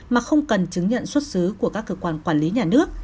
mà không cần chứng nhận xuất xứ của các cơ quan quản lý nhà nước